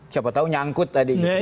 siapa tahu nyangkut tadi